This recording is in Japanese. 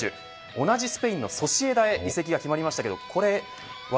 同じスペインのソシエダへ移籍が決まりました。